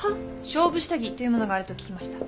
勝負下着というものがあると聞きました。